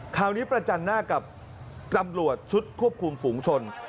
คราวนี้ประจันหน้ากับตำรวจชุดควบคุมฝูงชน